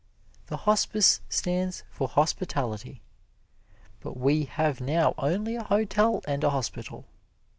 The hospice stands for hospitality, but we have now only a hotel and a hospital.